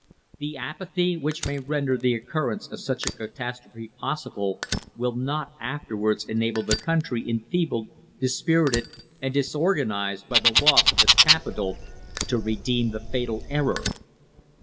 The apathy which may render the occurrence of such a catastrophe possible will not afterwards enable the country, enfeebled, dispirited, and disorganised by the loss of its capital, to redeem the fatal error."